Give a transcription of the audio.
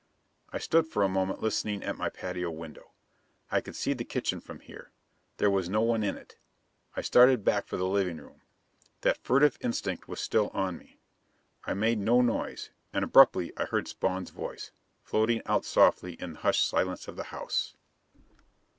I stood for a moment listening at my patio window. I could see the kitchen from here; there was no one in it. I started back for the living room. That furtive instinct was still on me. I made no noise. And abruptly I heard Spawn's voice, floating out softly in the hushed silence of the house.